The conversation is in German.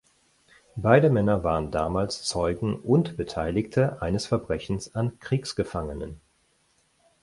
Beide Männer waren damals Zeugen und Beteiligte eines Verbrechens an Kriegsgefangenen.